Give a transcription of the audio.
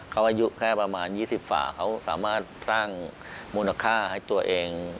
เขาอายุแค่ประมาณ๒๐ฝ่าเขาสามารถสร้างมูลค่าให้ตัวเอง